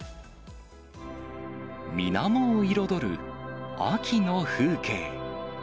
みなもを彩る、秋の風景。